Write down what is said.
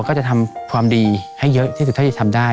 ก็จะทำความดีให้เยอะที่สุดเท่าที่ทำได้